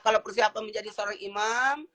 kalau persiapan menjadi seorang imam